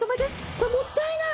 これもったいない。